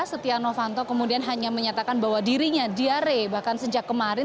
setia novanto kemudian hanya menyatakan bahwa dirinya diare bahkan sejak kemarin